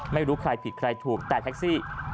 ไม่รู้ใครผิดใครถูกแต่แท็กซี่